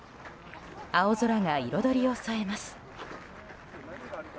青空が彩りを添えます。